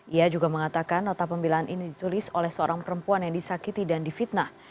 ia juga mengatakan nota pembelaan ini ditulis oleh seorang perempuan yang disakiti dan difitnah